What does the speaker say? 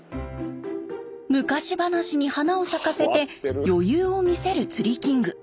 昔話に花を咲かせて余裕を見せる釣りキング。